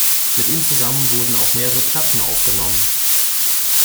Mit ihm zusammen wurden auch mehrere Platten aufgenommen.